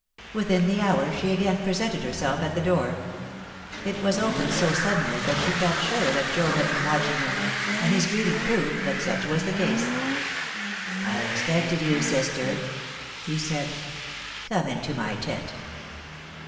Within the hour she again presented herself at the door. It was opened so suddenly that she felt sure that Job had been watching her; and his greeting proved that such was the case. "I expected you, sister," he said. "Come into my tent.